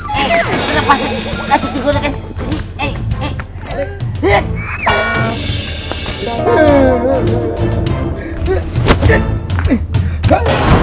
kenapa sih gacu gacu guna